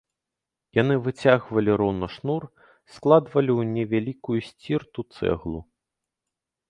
Яны выцягвалі роўна шнур, складвалі ў невялікую сцірту цэглу.